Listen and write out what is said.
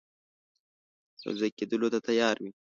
یو ځای کېدلو ته تیار وي.